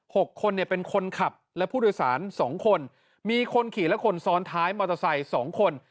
คนเนี่ยเป็นคนขับและผู้โดยสารสองคนมีคนขี่และคนซ้อนท้ายมอเตอร์ไซค์สองคน